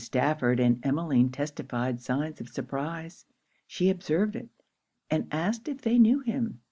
Stafford and Emmeline testified signs of surprize. She observed it; and asked if they knew him?